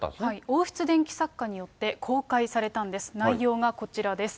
王室伝記作家によって公開されたんです、内容がこちらです。